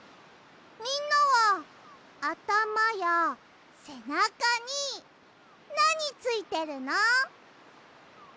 みんなはあたまやせなかになについてるの？